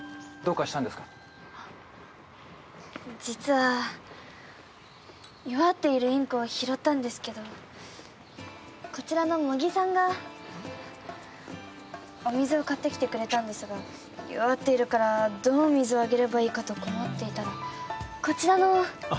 実は弱っているインコを拾ったんですけどこちらのモギさんがお水を買ってきてくれたんですが弱っているからどう水をあげればいいかと困っていたらこちらの。